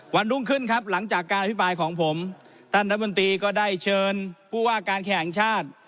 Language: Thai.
วันรุ่งขึ้นครับหลังจากการอภิปรายของผมท่านรัฐมนตรีก็ได้เชิญผู้ว่าการแข่งชาติ